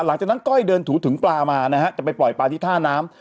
ก้อยเดินถูถึงปลามานะฮะจะไปปล่อยปลาที่ท่าน้ำ